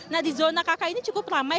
nah di zona kk ini cukup ramai